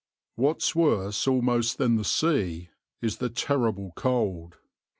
What's worse almost than the sea is the terrible cold.